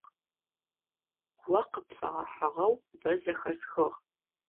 О къыпфэгъэхьыгъэу бэ зэхэсхыгъ.